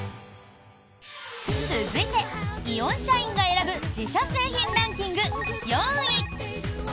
続いて、イオン社員が選ぶ自社製品ランキング、４位。